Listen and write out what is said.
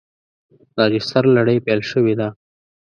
راجستر لړۍ پیل شوې ده.